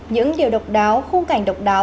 những điều độc đáo khung cảnh độc đáo